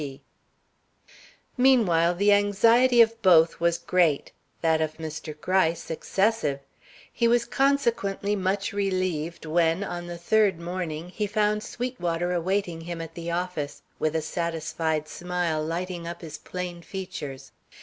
G. Meanwhile, the anxiety of both was great; that of Mr. Gryce excessive. He was consequently much relieved when, on the third morning, he found Sweetwater awaiting him at the office, with a satisfied smile lighting up his plain features.